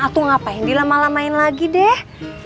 aku ngapain dilama lamain lagi deh